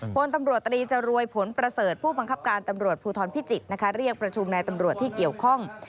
พลตำรวจตรีจรวยผลประเสริฐผู้บังคับการตำรวจภูทรพิจิตรนะคะเรียกประชุมนายตำรวจที่เกี่ยวข้อง